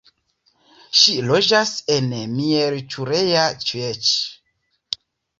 Ŝi loĝas en Miercurea Ciuc.